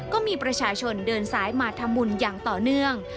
ก็มีประชาชนเดินสายมาทำบุญอย่างต่อเนื่อง